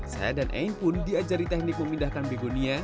saya dan ain pun diajari teknik memindahkan begonia